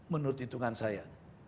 menurut hitungan saya